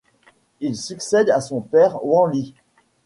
Il succède à son père Wanli.